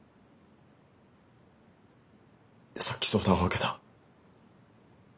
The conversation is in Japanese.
さっき相談を受けた。